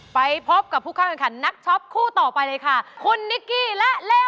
นักชอบคู่ต่อไปเลยค่ะคุณนิกกี้และเลโอคุณผู้ชอบคู่ต่อไปเลยค่ะคุณนิกกี้และเลโอ